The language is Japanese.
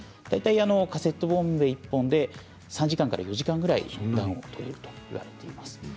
大体、カセットボンベ１本で３時間から４時間くらい暖を取れるといわれています。